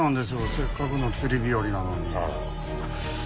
せっかくの釣り日和なのに。